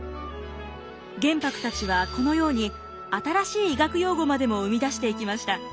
玄白たちはこのように新しい医学用語までも生み出していきました。